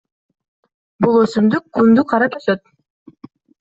Бул өсүмдүк күндү карап өсөт.